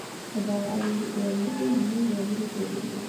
د باران ورېځې له نورو ورېځو توپير لري.